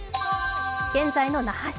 現在の那覇市。